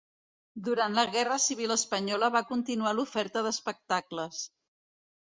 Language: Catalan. Durant la Guerra Civil espanyola va continuar l'oferta d'espectacles.